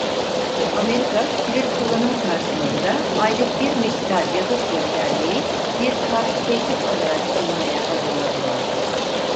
Amerika sivil kullanım karşılığında aylık bir miktar yakıt göndermeyi bir karşı teklif olarak sunmaya hazırlanıyordu.